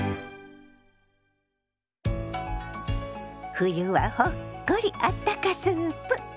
「冬はほっこりあったかスープ」。